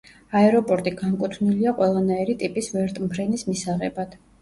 აეროპორტი განკუთვნილია ყველანაირი ტიპის ვერტმფრენის მისაღებად.